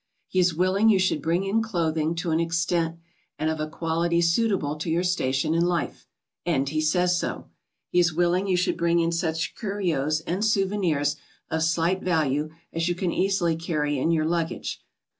He is willing you should bring in clothing to an extent and of a quality suitable to your station in life; and he says so. He is willing you should bring in such curios and souvenirs of slight value as you can easily carry in your luggage.